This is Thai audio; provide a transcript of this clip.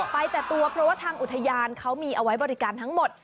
ไปแต่ตัวเพราะว่าทางอุทยานเขามีเอาไว้บริการทั้งหมด